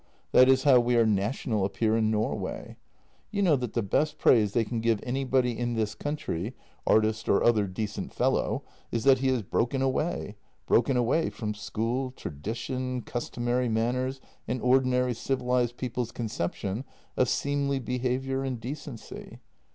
That is how we are national up here in Norway. You know that the best praise they can give anybody in this country — artist or other decent fellow — is that he has broken away — broken away from school, tradition, customary manners, and ordinary civ ilized people's conception of seemly behaviour and decency.